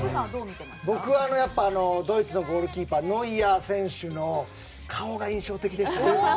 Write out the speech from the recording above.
僕はやっぱりドイツのゴールキーパー、ノイアー選手の顔が印象的でしたね。